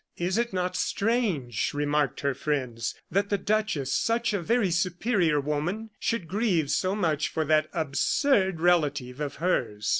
"Is it not strange," remarked her friends, "that the duchess such a very superior woman should grieve so much for that absurd relative of hers?"